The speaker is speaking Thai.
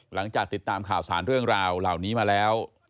หลังจากติดตามข่าวสารเรื่องราวเหล่านี้มาแล้ว